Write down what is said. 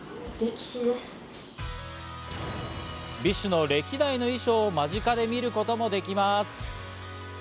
ＢｉＳＨの歴代の衣装を間近で見ることもできます。